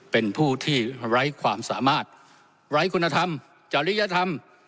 เป็นผู้ที่ไร้ความสามารถไร้คุณธรรมจริยธรรม